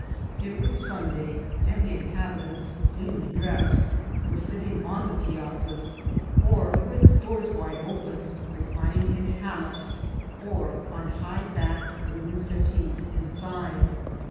It was Sunday, and the inhabitants, cleanly dressed, were sitting on the piazzas, or, with doors wide open, recti* ning in hanunocks, or on high backed wooden settees inside.